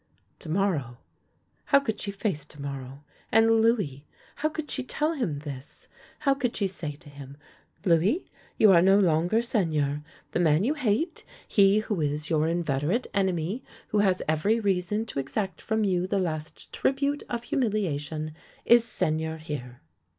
To morrow — how could she face to morrow, and Louis! How could she tell him this! How could she say to him, " Louis, you are no longer Seigneur. The man you hate, he who is your inveterate enemy, who has every reason to exact from you the last tribute of humiliation, is Seigneur here!